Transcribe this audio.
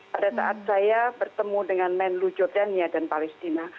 pada saat saya bertemu dengan menlu jordania dan palestina